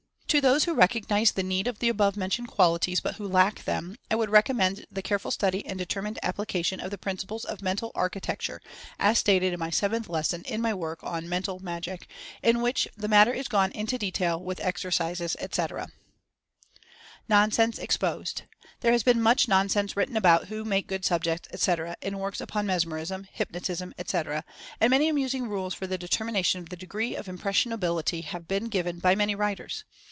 To those who recognize the need of the above mentioned qualities, but who lack them, I would recom mend the careful study and determined application of the principles of "Mental Architecture," as stated in my Seventh Lesson in my work on "Mental Magic" Impressionability 67 in which the matter is gone into in detail, with exer cises, etc. NONSENSE EXPOSED. There has been much nonsense written about "who make good subjects," etc., in works upon Mesmerism, Hypnotism, etc., and many amusing rules for the de termination of the degree of impressionability have been given by many writers.